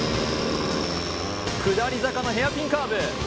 下り坂のヘアピンカーブ